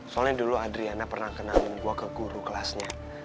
soalnya dulu adriana pernah kenalin gue ke guru kelasnya